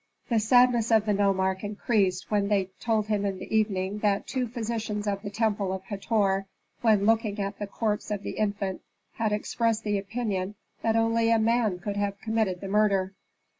The sadness of the nomarch increased when they told him in the evening that two physicians of the temple of Hator, when looking at the corpse of the infant, had expressed the opinion that only a man could have committed the murder.